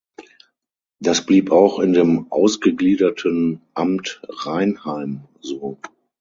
Das blieb auch in dem ausgegliederten "Amt Reinheim" so.